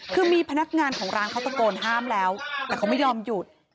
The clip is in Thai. คือมีพนักงานของร้านเขาตะโกนห้ามแล้วแต่เขาไม่ยอมหยุด